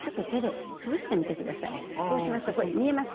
そうしますと見えますか？